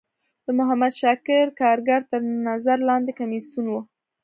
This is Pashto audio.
د محمد شاکر کارګر تر نظر لاندی کمیسیون و.